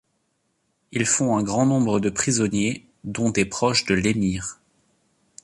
Ils font un grand nombre de prisonniers, dont des proches de l'émir.